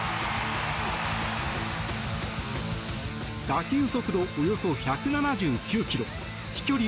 打球速度およそ１７９キロ飛距離